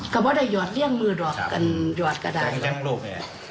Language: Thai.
ก็ไม่ได้หยอดเรื่องมือหยอดก็ได้